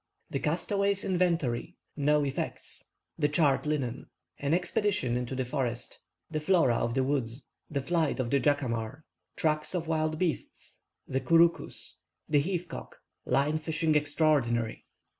THE CASTAWAYS' INVENTORY—NO EFFECTS —THE CHARRED LINEN—AN EXPEDITION INTO THE FOREST—THE FLORA OF THE WOODS—THE FLIGHT OF THE JACAMAR—TRACKS OF WILD BEASTS—THE COUROUCOUS—THE HEATH COCK—LINE FISHING EXTRAORDINARY.